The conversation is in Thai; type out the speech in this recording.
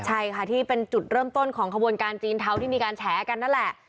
ใช่ค่ะที่เป็นจุดเริ่มต้นของขบวนการจีนเทาที่มีการแฉกันนั่นแหละ